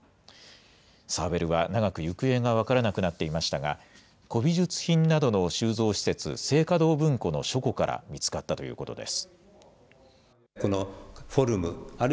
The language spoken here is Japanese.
サーベルは長く行方が分からなくなっていましたが、古美術品などの収蔵施設、静嘉堂文庫の書庫から見つかったということです。